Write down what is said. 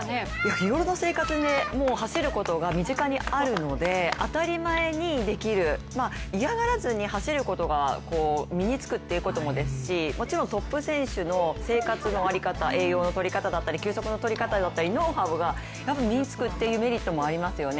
日頃の生活で走ることが身近にあるので当たり前にできる、嫌がらずに走ることが身につくということもですし、もちろんトップ選手の生活の在り方栄養のとりかただったり休息のとりかただったり、ノウハウが身につくというメリットもありますよね。